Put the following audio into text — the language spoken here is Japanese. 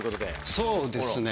そうですね